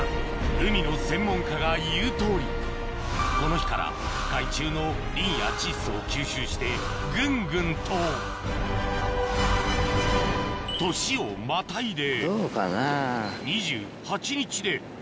海の専門家が言うとおりこの日から海中のリンや窒素を吸収してぐんぐんと年をまたいでどうかな？